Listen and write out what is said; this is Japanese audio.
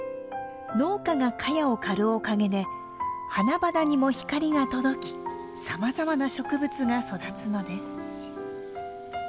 農家がカヤを刈るおかげで花々にも光が届きさまざまな植物が育つのです。